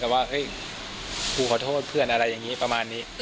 เขาก็เดินเหมือนกับว่าเอ๊ผมขอโทษเพื่อนอะไรอย่างนี้ประมาณนี้